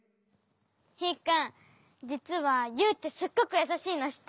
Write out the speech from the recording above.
ヒーくんじつはユウってすっごくやさしいのしってる？